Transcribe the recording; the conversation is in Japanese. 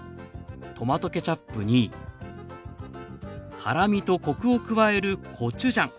トマトケチャップに辛みとコクを加えるコチュジャン。